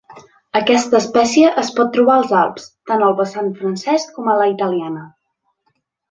Aquesta espècie es pot trobar als Alps, tant al vessant francès, com a la italiana.